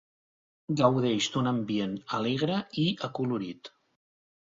Gaudeix d'un ambient alegre i acolorit.